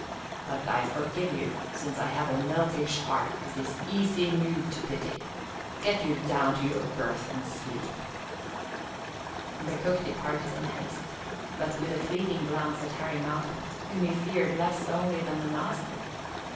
But I forgive you, since I have a milkish heart that is easy moved to pity. Get you down to your berth and sleep." The cook departed in haste, but with a fleeting glance at Harry Malcolm whom he feared less only than the master.